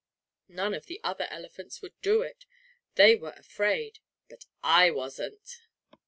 None of the other elephants would do it. They were afraid, but I wasn't.